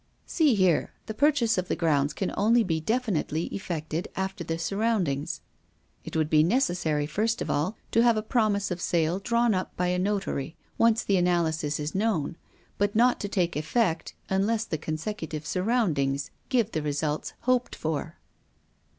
"See here! The purchase of the grounds can only be definitely effected after the soundings. It would be necessary, first of all, to have a promise of sale drawn up by a notary, once the analysis is known, but not to take effect unless the consecutive soundings give the results hoped for."